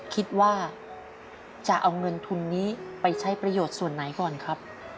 คิดว่าจะเอาเงินทุนนี้ไปใช้ประโยชน์ส่วนไหนก่อนครับ